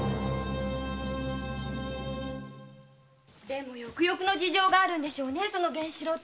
でもよくよくの事情があるんでしょうね。